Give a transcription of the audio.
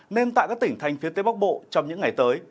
nên tại các tỉnh thành phía tây bắc bộ trong những ngày tới